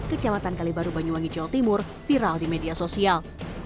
kecamatan kalibaru banyuwangi jawa timur viral di media sosial